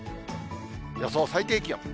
予想最低気温。